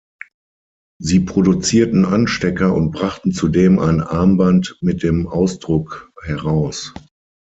Sie produzierten Anstecker und brachten zudem ein Armband mit dem Ausdruck heraus.